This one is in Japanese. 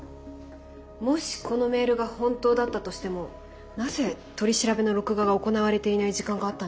もしこのメールが本当だったとしてもなぜ取り調べの録画が行われていない時間があったんでしょうね？